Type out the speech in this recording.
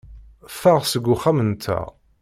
Ffeɣ seg uxxam-nteɣ.